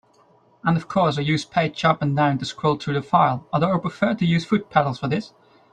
And of course I use page up and down to scroll through the file, although I prefer to use foot pedals for this.